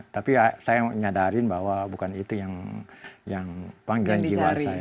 tapi saya menyadari bahwa bukan itu yang yang panggilin jiwa saya